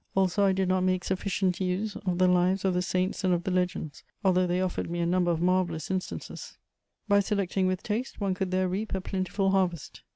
Also, I did not make sufficient use of the lives of the saints and of the legends, although they offered me a number of marvellous instances: by selecting with taste, one could there reap a plentiful harvest.